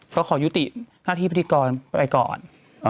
เขาขอยุติหน้าที่พฤติกรไปก่อน